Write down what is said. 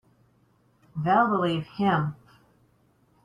They'll believe him.